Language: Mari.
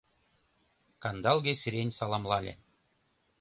Кандалге сирень саламлале